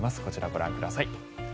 こちら、ご覧ください。